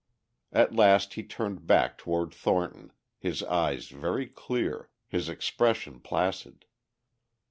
At last he turned back toward Thornton, his eyes very clear, his expression placid.